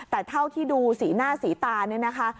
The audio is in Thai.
แต่เท่าที่ดูสีหน้าสีตาเนี่ยนะคะ